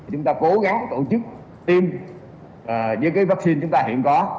chúng ta cố gắng tổ chức tiêm với cái vaccine chúng ta hiện có